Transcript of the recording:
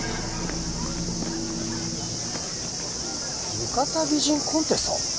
「浴衣美人コンテスト」？